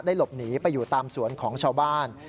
หลบหนีไปอยู่ตามสวนของชาวบ้าน